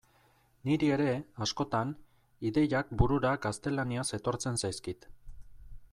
Niri ere, askotan, ideiak burura gaztelaniaz etortzen zaizkit.